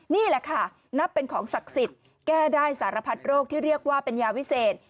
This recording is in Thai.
นี่แหละค่ะนับเป็นของศักดิ์สิทธิ์แก้ได้สารพัดโรคที่เรียกว่าเป็นยาวิเศษ